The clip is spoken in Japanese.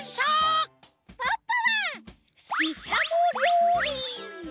ポッポはししゃもりょうり！